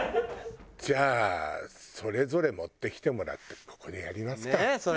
じゃあそれぞれ持ってきてもらってここでやりますか。